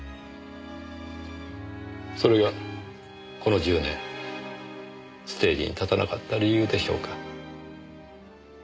それがこの１０年ステージに立たなかった理由でしょうか。